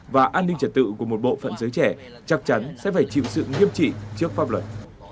và an ninh trật tự của một bộ phận giới trẻ chắc chắn sẽ phải chịu sự nghiêm trị trước pháp luật